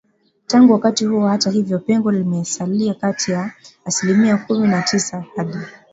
Tangu wakati huo hata hivyo pengo limesalia kati ya asilimia kumi na tisa hadi